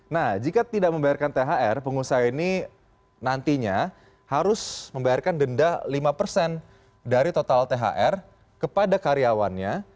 nah jika tidak membayarkan thr pengusaha ini nantinya harus membayarkan denda lima persen dari total thr kepada karyawannya